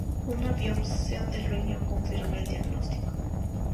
Una biopsia del riñón confirma el diagnóstico.